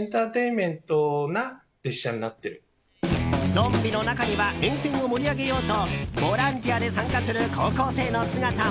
ゾンビの中には沿線を盛り上げようとボランティアで参加する高校生の姿も。